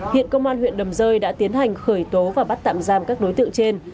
hiện công an huyện đầm rơi đã tiến hành khởi tố và bắt tạm giam các đối tượng trên